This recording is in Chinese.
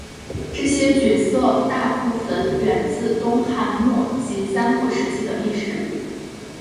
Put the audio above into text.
这些角色大部份源自东汉末及三国时期的历史人物。